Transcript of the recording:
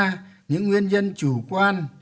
chỉ ra những nguyên nhân chủ quan